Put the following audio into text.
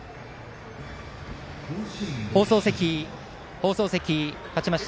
放送席、勝ちました